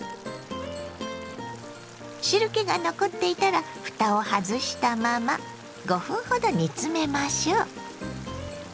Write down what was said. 汁けが残っていたらふたを外したまま５分ほど煮詰めましょ。